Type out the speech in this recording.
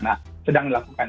nah sedang dilakukan